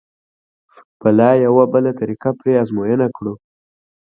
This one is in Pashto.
به لا یوه بله طریقه پرې ازموینه کړو.